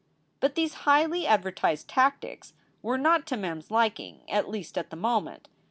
But these highly advertised tactics were not to Mem s liking, at least at the moment.